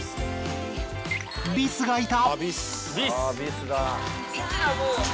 ビスがいた！